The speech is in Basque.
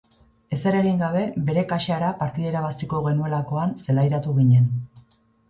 Ezer egin gabe, bere kasara partida irabaziko genuelakoan zelairatu ginen.